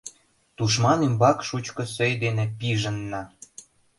Тушман ӱмбак шучко сӧй дене пижынна